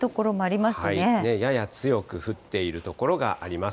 やや強く降っている所があります。